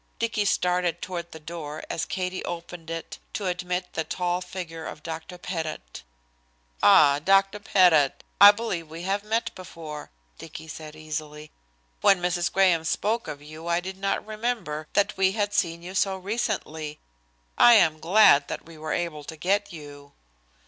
Dicky started toward the door as Katie opened it to admit the tall figure of Dr. Pettit. "Ah, Dr. Pettit I believe we have met before," Dicky said easily. "When Mrs. Graham spoke of you I did not remember that we had seen you so recently. I am glad that we were able to get you."